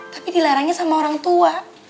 tapi dilarangnya sama orang tua